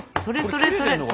それそれそれ。